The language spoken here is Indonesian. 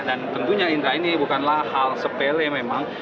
dan tentunya indah ini bukanlah hal sepele memang